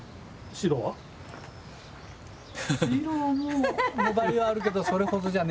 白も粘りはあるけどそれほどじゃねえよな。